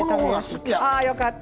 あよかった。